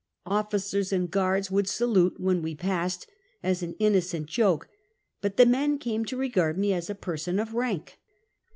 Officers and guai'ds would salute when we passed, as an innocent joke, but the men came to re gard me as a person of rank.